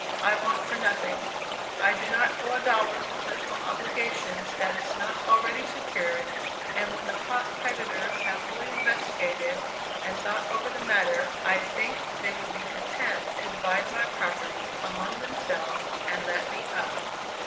I want for nothing; I do not owe a dollar for personal obligations that is not already secured, and when the clock creditors have fully investigated and thought over the matter, I think they will be content to divide my property among themselves and let me up."